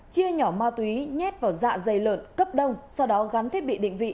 chia nhỏ ma túy nhét vào dạ dày lợn cấp đông sau đó gắn thiết bị định vị